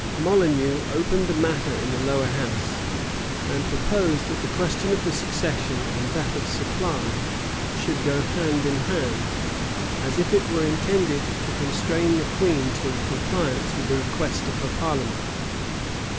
Molineux opened the matter in the lower house, and proposed, that the question of the succession and that of supply should go hand in hand; as if it were intended to constrain the queen to a compliance with the request of her parliament.